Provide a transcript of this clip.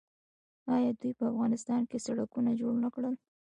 آیا دوی په افغانستان کې سړکونه جوړ نه کړل؟